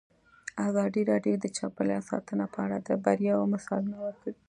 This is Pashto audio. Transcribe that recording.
ازادي راډیو د چاپیریال ساتنه په اړه د بریاوو مثالونه ورکړي.